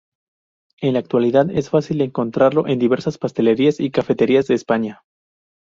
En la actualidad es fácil encontrarlo en diversas pastelerías y cafeterías de España.